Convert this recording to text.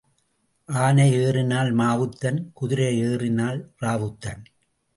ஆனை ஏறினால் மாவுத்தன் குதிரை ஏறினால் ராவுத்தன்.